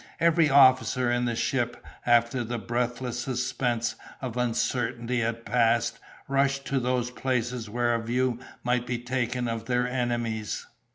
Every officer in the ship, after the breathless suspense of uncertainty had passed, rushed to those places where a view might be taken of their enemies.